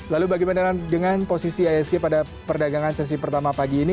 lalu bagaimana dengan posisi isg pada perdagangan sesi pertama pagi ini